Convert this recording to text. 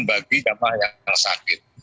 bagi jamah yang sakit